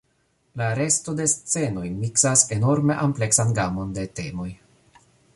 La resto de scenoj miksas enorme ampleksan gamon de temoj.